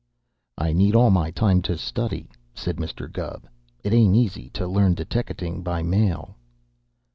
"I need all my time to study," said Mr. Gubb. "It ain't easy to learn deteckating by mail."